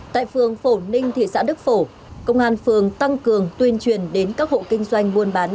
tại phường phổ ninh thị xã đức phổ công an phường tăng cường tuyên truyền đến các hộ kinh doanh buôn bán